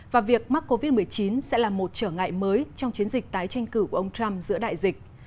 và việc mắc covid một mươi chín sẽ là một trở ngại mới trong chiến dịch tái tranh cử của ông trump giữa đại dịch